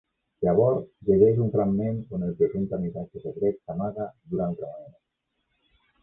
Llavors llegeix un fragment on el presumpte missatge secret s'amaga d'una altra manera.